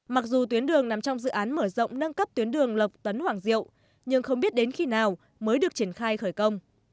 mặc dù tuyến đường nằm trong dự án mở rộng nâng cấp tuyến đường lộc tấn hoàng diệu nhưng không biết đến khi nào mới được triển khai khởi công